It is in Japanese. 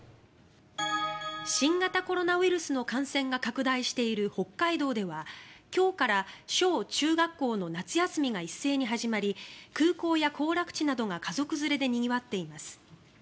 新型コロナウイルスの感染が拡大している北海道では今日から小中学校の夏休みが一斉に始まり空港や行楽地などが家族連れでにぎわっています。